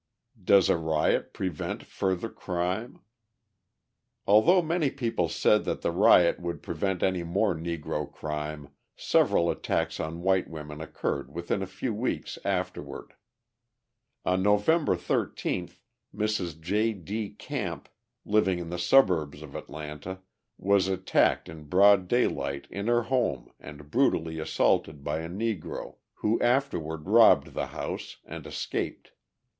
Does a Riot Prevent Further Crime? Although many people said that the riot would prevent any more Negro crime, several attacks on white women occurred within a few weeks afterward. On November 13th Mrs. J. D. Camp, living in the suburbs of Atlanta, was attacked in broad daylight in her home and brutally assaulted by a Negro, who afterward robbed the house and escaped.